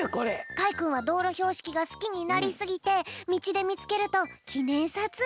かいくんはどうろひょうしきがすきになりすぎてみちでみつけるときねんさつえいしてるんだって。